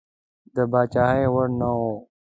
د پاچهي وړ نه وو.